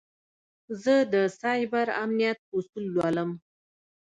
زه د سایبر امنیت اصول لولم.